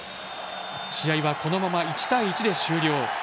試合はこのまま１対１で終了。